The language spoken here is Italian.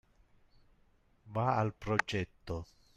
Va al progetto.